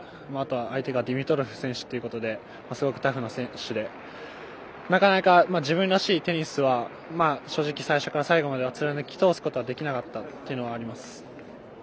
相手もディミトロフ選手ということですごくタフな選手でなかなか、自分らしいテニスは正直最初から最後までは貫き通すことはできなかったというのはあります。